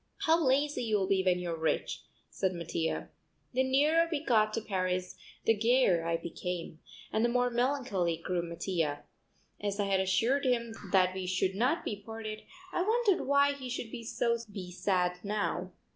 "How lazy you'll be when you're rich," said Mattia. The nearer we got to Paris the gayer I became; and the more melancholy grew Mattia. As I had assured him that we should not be parted I wondered why he should be sad now.